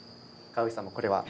川口さんもこれは。